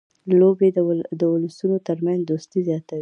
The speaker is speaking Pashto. لوبې د اولسونو ترمنځ دوستي زیاتوي.